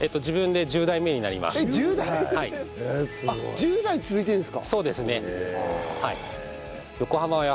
１０代続いてるんですか？